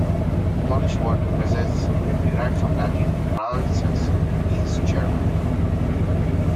The Polish word "prezes", derived from Latin "praeses" means "chairman".